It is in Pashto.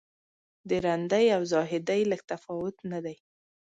د رندۍ او زاهدۍ لږ تفاوت نه دی.